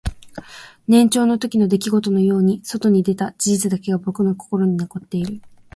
年表の中の出来事のように外に出た事実だけが僕の中に残っている